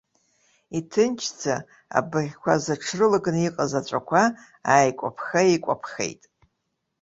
Иҭынчӡа, абӷьқәа зыҽрылакны иҟаз аҵәақәа, ааикәаԥха-еикәаԥхеит.